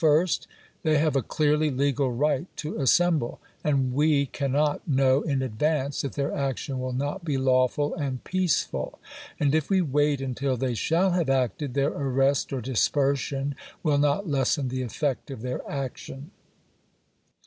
First, they have a clearly legal right to assemble; and we cannot know in advance that their action will not be lawful and peaceful. And if we wait until they shall have acted, their arrest or dispersion will not lessen the effect of their action.